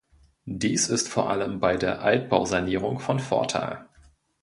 Dies ist vor allem bei der Altbausanierung von Vorteil.